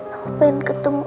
aku pengen ketemu